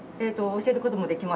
教える事もできます。